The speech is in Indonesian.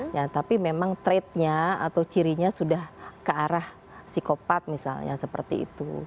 ya tapi memang trade nya atau cirinya sudah ke arah psikopat misalnya seperti itu